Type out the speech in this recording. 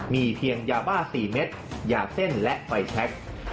มีเพียงยาบ้า๔เม็ดยาเส้นและไฟแชค